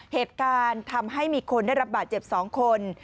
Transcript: เหตุการณ์ทำให้มีคนได้รับบาดเจ็บ๒คน